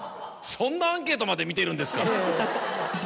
そんなアンケートまで見てるんですか！